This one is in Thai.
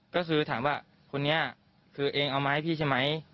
ก็คือถามว่าคนนี้คือเองเอามาให้พี่ใช่ไหม